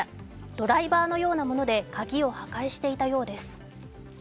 ドライバーのようなもので鍵を破壊していたようです。